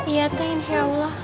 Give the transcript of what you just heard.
iya teh inshallah